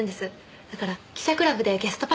だから記者クラブでゲストパスをもらって。